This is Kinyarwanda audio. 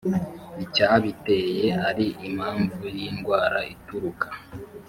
icyabiteye ari impamvu y indwara ituruka